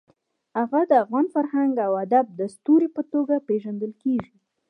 هغه د افغان فرهنګ او ادب د ستوري په توګه پېژندل کېږي.